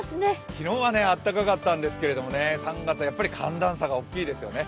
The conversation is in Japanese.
昨日は暖かかったんですけど３月はやっぱり寒暖差が大きいですよね。